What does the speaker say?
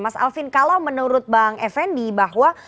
mas alvin kalau menurut bang effendi bahwa